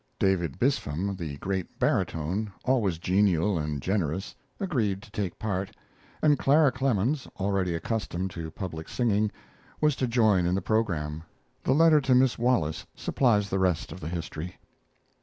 David Bispham, the great barytone, always genial and generous, agreed to take part, and Clara Clemens, already accustomed to public singing, was to join in the program. The letter to Miss Wallace supplies the rest of the history.